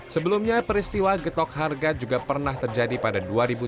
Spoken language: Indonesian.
sebelumnya peristiwa getok harga juga pernah terjadi pada dua ribu dua belas